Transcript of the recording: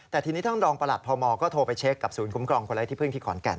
แต่ทีนี้ท่านรองประหลัดพมก็โทรไปเช็คกับศูนย์คุ้มครองคนไร้ที่พึ่งที่ขอนแก่น